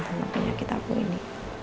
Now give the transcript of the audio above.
sama penyakit aku ini